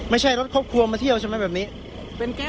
ไม่ใช่รถครอบครัวมาเที่ยวใช่ไหมแบบนี้